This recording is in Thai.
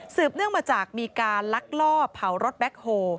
เนื่องมาจากมีการลักลอบเผารถแบ็คโฮ